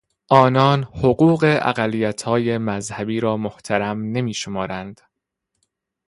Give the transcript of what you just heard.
آنان حقوق اقلیتهای مذهبی را محترم نمی شمارند.